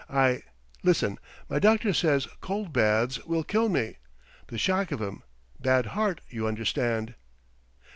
I listen: my doctor says cold baths will kill me. The shock of 'em. Bad heart, you understand."